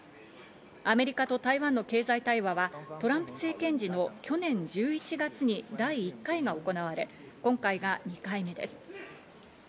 アメリカと台湾の経済対話はトランプ政権時の去年１１月に第１回が行われ、今回が２回目です。